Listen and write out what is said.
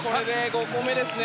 ５個目ですね。